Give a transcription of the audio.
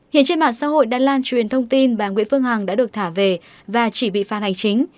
hiện trên mạng xã hội đã lan truyền thông tin bà nguyễn phương hằng đã được thả về và chỉ bị phạt hành chính